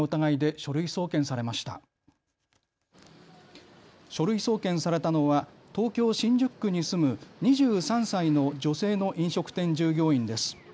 書類送検されたのは東京新宿区に住む２３歳の女性の飲食店従業員です。